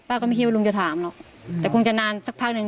ก็ไม่คิดว่าลุงจะถามหรอกแต่คงจะนานสักพักหนึ่ง